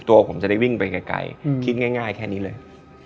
ตัวผมจะได้วิ่งไปไกลคิดง่ายแค่นี้เลย